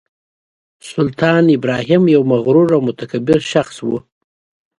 سلطان ابراهیم یو مغرور او متکبر شخص و.